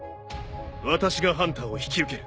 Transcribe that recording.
私がハンターを引き受ける。